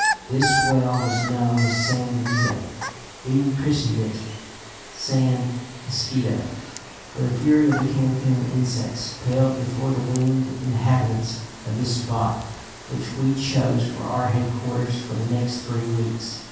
This well was known as San Benito. We rechristened it San Mosquito, for the fury of the Cancun insects paled before the winged inhabitants of this spot which we chose for our headquarters for the next three weeks.